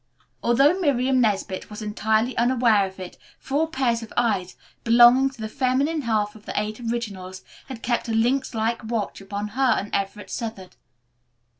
Although Miriam Nesbit was entirely unaware of it, four pairs of eyes, belonging to the feminine half of the Eight Originals had kept a lynx like watch upon her and Everett Southard.